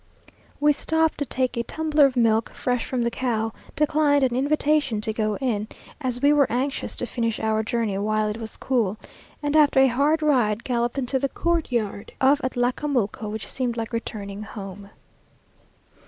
We stopped to take a tumbler of milk fresh from the cow; declined an invitation to go in, as we were anxious to finish our journey while it was cool; and after a hard ride galloped into the courtyard of Atlacamulco, which seemed like returning home.